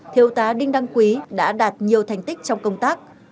thiếu tá đinh đăng quý đã đạt nhiều thành tích trong công tác